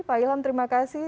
pak ilham terima kasih